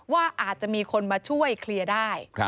ว่าอาจจะมีคนมาช่วยเคลียร์ได้